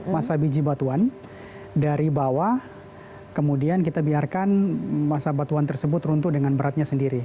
masa biji batuan dari bawah kemudian kita biarkan masa batuan tersebut runtuh dengan beratnya sendiri